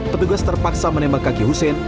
petugas terpaksa menembak kaki hussein